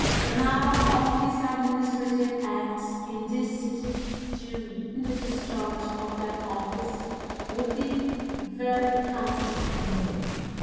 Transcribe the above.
Now all his administrative acts in this city during the discharge of that office would be verily countless to name.